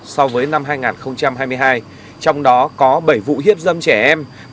so với năm hai nghìn hai mươi hai trong đó có bảy vụ hiếp dâm trẻ em